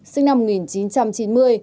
sinh năm một nghìn chín trăm chín mươi năm